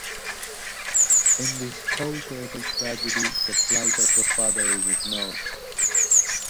In this whole terrible tragedy the plight of the father is ignored.